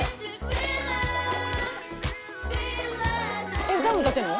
え歌も歌ってんの？